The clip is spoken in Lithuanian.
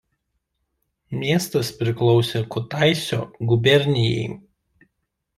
Miestas priklausė Kutaisio gubernijai.